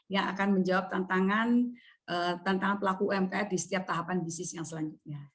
yang akan menjawab tantangan pelaku umkm di setiap tahapan bisnis yang selanjutnya